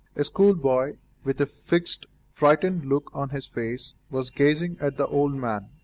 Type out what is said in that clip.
A schoolboy, with a fixed, frightened look on his face, was gazing at the old man.